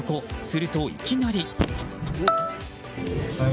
するといきなり。